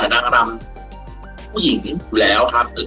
นางรำผู้หญิงอยู่แล้วครับ